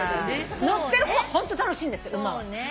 乗ってる方はホント楽しいんです馬は。